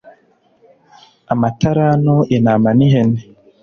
Amatalanto intama n ihene